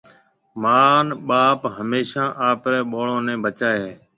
مان ٻاپ هميشا آپريَ ٻاݪو نَي بچائي هيَ۔